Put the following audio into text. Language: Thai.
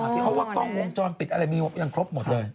เพราะว่ากล้องวงจรปิดอะไรมียังครบหมดเลย